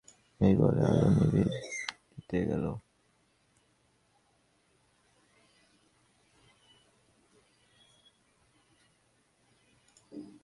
এই বলে আলো নিবিয়ে দিয়ে শুতে গেল।